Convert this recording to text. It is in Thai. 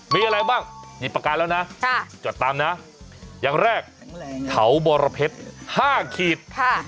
มีอะไรบ้างนี่ปากการแล้วนะจดตามนะอย่างแรกเขาบรเพชร๕ขีด